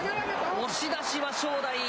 押し出しは正代。